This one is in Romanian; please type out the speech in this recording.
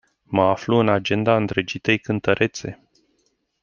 Mă aflu în agenda îndrăgitei cântărețe.